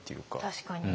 確かに。